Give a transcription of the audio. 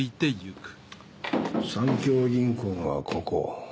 三協銀行がここ。